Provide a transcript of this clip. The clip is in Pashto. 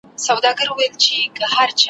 پرسینه د خپل اسمان مي لمر لیدلی ځلېدلی `